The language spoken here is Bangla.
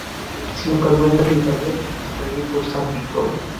শ্রীলঙ্কার গোয়েন্দা বিভাগে একটা রিপোর্ট সাবমিট করো।